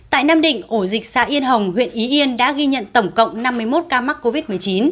tại nam định ổ dịch xã yên hồng huyện ý yên đã ghi nhận tổng cộng năm mươi một ca mắc covid một mươi chín